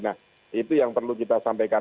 nah itu yang perlu kita sampaikan